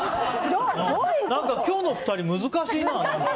今日の２人難しいな。